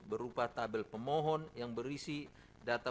berupa tabel pemohon yang berisi data